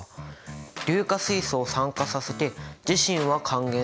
硫化水素を酸化させて自身は還元されている。